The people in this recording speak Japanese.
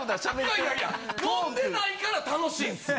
いやいや飲んでないから楽しいんすよ。